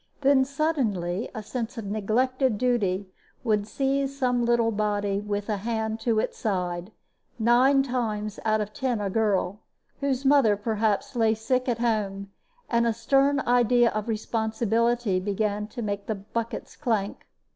Then suddenly a sense of neglected duty would seize some little body with a hand to its side, nine times out of ten a girl, whose mother, perhaps, lay sick at home, and a stern idea of responsibility began to make the buckets clank.